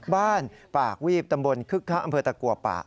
บ้านปากวีบตำบลคึกคักอำเภอตะกัวป่า